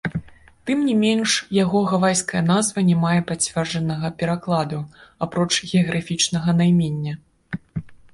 Тым не менш, яго гавайская назва не мае пацверджанага перакладу, апроч геаграфічнага наймення.